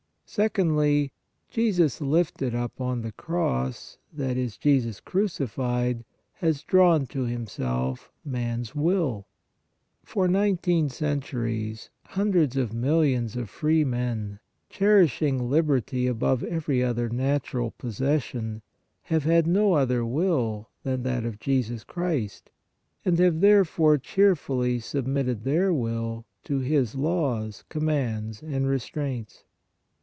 2. Secondly, Jesus lifted up on the cross, that is Jesus crucified, has drawn to Himself MAN S WILL. For nineteen centuries hundreds of millions of free men, cherishing liberty above every other natural possession, have had no other will than that of Jesus Christ, and have, therefore, cheerfully submitted their will to His laws, commands and restraints.